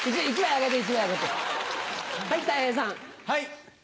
はい。